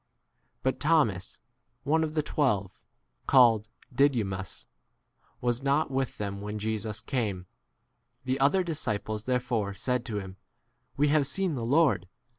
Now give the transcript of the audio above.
24 But Thomas, one of the twelve, called Didymus,«i was not with 25 them when Jesus came. The other disciples therefore said to him, We have seen the Lord.